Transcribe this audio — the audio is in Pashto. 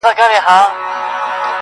خر هغه خر دئ، خو توبره ئې نوې سوې ده.